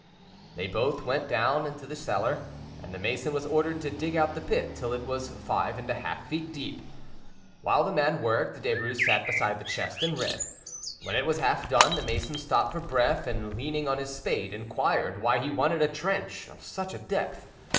They both went down to the cellar, and the mason was ordered to dig out the pit till it was five and a half feet deep. While the man worked, Derues sat beside the chest and read. When it was half done, the mason stopped for breath, and leaning on his spade, inquired why he wanted a trench of such a depth.